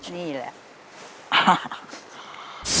นี่แหละ